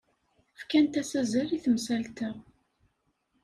Fkant-as azal i temsalt-a.